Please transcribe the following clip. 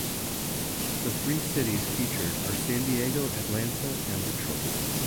The three cities featured are San Diego, Atlanta, and Detroit.